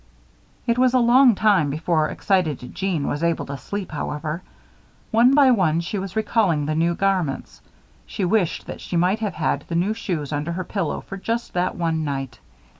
It was a long time before excited Jeanne was able to sleep, however. One by one she was recalling the new garments. She wished that she might have had the new shoes under her pillow for just that one night.